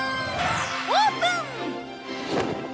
オープン！